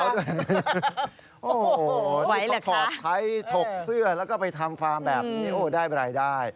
โอ้โหนี่ต้องถอดไทยถกเสื้อแล้วก็ไปทำฟาร์มแบบนี้โอ้ได้รายได้